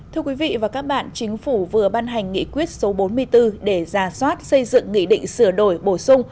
thưa quý vị và các bạn chính phủ vừa ban hành nghị quyết số bốn mươi bốn để ra soát xây dựng nghị định sửa đổi bổ sung